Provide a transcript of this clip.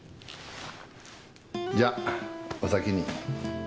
じゃあお先に。